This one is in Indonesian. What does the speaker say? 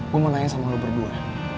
gue mau nanya sama lo berdua